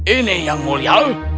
ini yang mulia